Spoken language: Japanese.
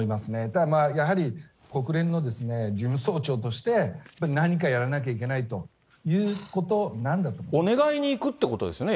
ただやはり、国連の事務総長として、何かやらなきゃいけないといお願いに行くっていうことですよね。